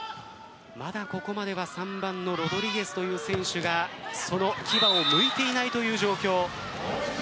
まだここまでは３番のロドリゲスという選手がその牙をむいていないという状況。